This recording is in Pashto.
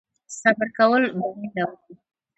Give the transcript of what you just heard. صبر کول بری راوړي